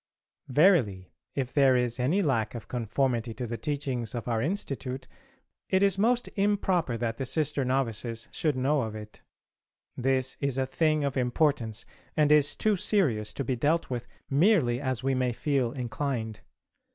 Verily, if there is any lack of conformity to the teachings of our Institute it is most improper that the sister novices should know of it. This is a thing of importance, and is too serious to be dealt with merely as we may feel inclined.